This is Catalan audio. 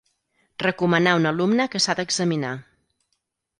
Recomanar un alumne que s'ha d'examinar.